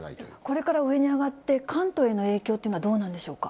これから上に上がって、関東への影響っていうのはどうなんでしょうか。